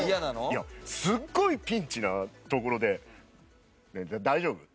いやすっごいピンチなところで「大丈夫？大丈夫？